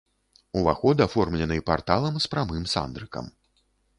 Уваход аформлены парталам з прамым сандрыкам.